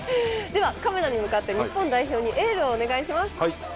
ではカメラに向かって日本代表にエールをお願いします。